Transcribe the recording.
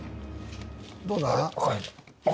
どうだ？